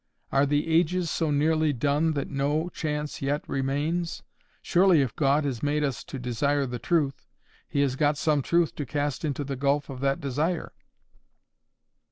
Are the ages so nearly done that no chance yet remains? Surely if God has made us to desire the truth, He has got some truth to cast into the gulf of that desire.